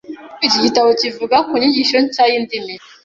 Iki gitabo kivuga ku nyigisho nshya y’indimi.